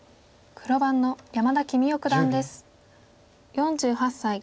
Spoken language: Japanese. ４８歳。